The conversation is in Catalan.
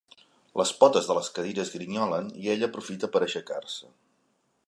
Les potes de les cadires grinyolen i ell aprofita per aixecar-se.